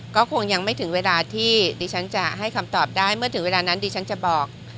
ก็คงยังไม่ถึงเวลาที่ดิฉันจะให้คำตอบได้เมื่อถึงเวลานั้นดิฉันจะบอก